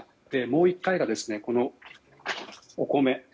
もう１回が、お米。